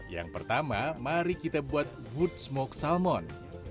yang pertama mari kita buat good smoke salmon